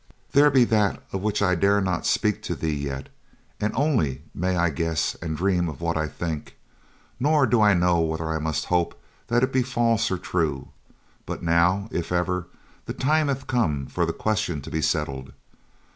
"There be that of which I dare not speak to thee yet and only may I guess and dream of what I think, nor do I know whether I must hope that it be false or true, but now, if ever, the time hath come for the question to be settled.